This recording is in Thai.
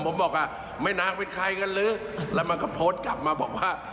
ผมบอกว่าไม่นางเป็นใครกันหรือแล้วมันก็โพสต์กลับมาบอกว่า